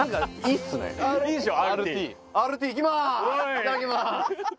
いただきます。